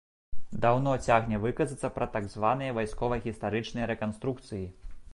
Даўно цягне выказацца пра так званыя вайскова-гістарычныя рэканструкцыі.